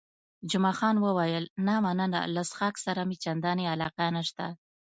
جمعه خان وویل، نه مننه، له څښاک سره مې چندانې علاقه نشته.